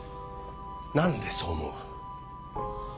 何でそう思う？